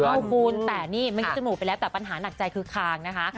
โอ้โหคุณแต่นี่ไม่ใช่จมูกไปแล้วแต่ปัญหาหนักใจคือคางนะคะ